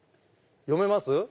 読めます？